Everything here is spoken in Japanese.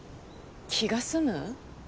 気が済む？